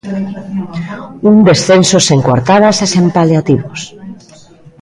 Un descenso sen coartadas e sen paliativos.